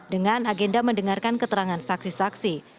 dengan agenda mendengarkan keterangan saksi saksi